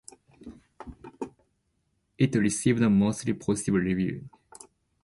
It received mostly positive reviews.